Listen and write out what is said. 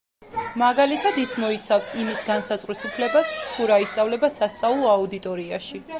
მაგალითად, ის მოიცავს იმის განსაზღვრის უფლებას, თუ რა ისწავლება სასწავლო აუდიტორიაში.